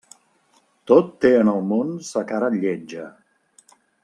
Tot té en el món sa cara lletja.